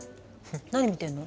何見てるの？